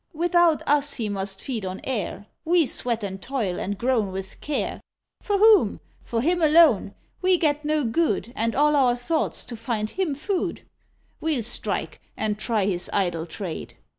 "Without us he must feed on air; We sweat and toil, and groan with care, For whom? for him alone; we get no good, And all our thought's to find him food: We'll strike, and try his idle trade."